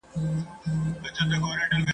چي لارښود وي چي ښوونکي استادان وي !.